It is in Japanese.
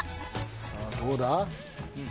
さあどうだ？